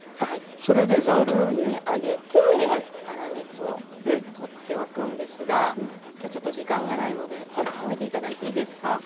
上げて粗熱を取っておくんですが今日ちょっと時間がないのであおいで頂いていいですか？